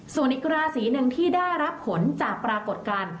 ส่วนอีกราศีหนึ่งที่ได้รับผลจากปรากฏการณ์